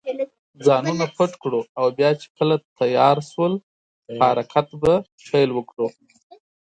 ځانونه پټ کړو او بیا چې کله تېاره شول، په حرکت به پیل وکړو.